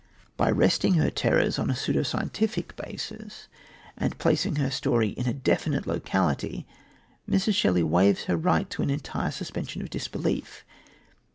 By resting her terrors on a pseudo scientific basis and by placing her story in a definite locality, Mrs. Shelley waives her right to an entire suspension of disbelief.